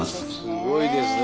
すごいですね！